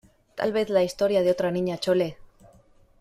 ¡ tal vez la historia de otra Niña Chole!